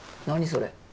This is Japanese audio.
それ。